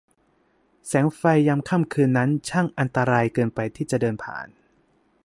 แสงไฟยามค่ำคืนนั้นช่างอันตรายเกินไปที่จะเดินผ่าน